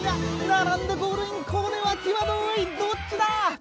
並んでゴールイン、これはきわどいどっちだ？